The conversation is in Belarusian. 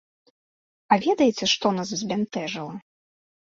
А ведаеце, што нас збянтэжыла?